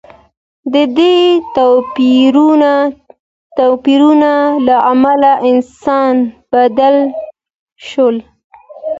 د دې توپیرونو له امله انسانان بدل شول.